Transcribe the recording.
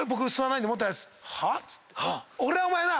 「俺はお前な」